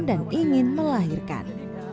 dan ingin melahirkan